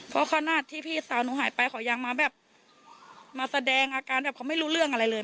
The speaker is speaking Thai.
เพราะขนาดที่พี่สาวหนูหายไปเขายังมาแบบมาแสดงอาการแบบเขาไม่รู้เรื่องอะไรเลย